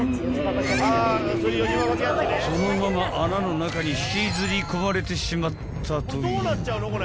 ［そのまま穴の中に引きずり込まれてしまったという］